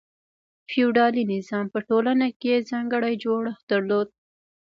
فیوډالي نظام په ټولنه کې ځانګړی جوړښت درلود.